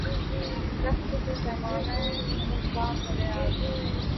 رکھ دے کوئی پیمانۂ صہبا مرے آگے